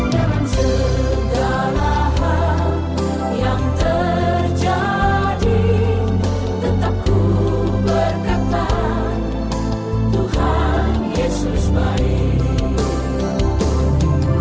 dalam segala hal yang terjadi tetap ku berkata tuhan yesus baik